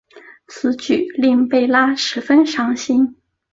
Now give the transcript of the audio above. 此举令贝拉十分伤心。